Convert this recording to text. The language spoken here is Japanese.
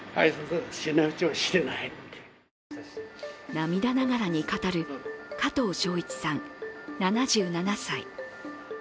涙ながらに語る加藤省一さん７７歳。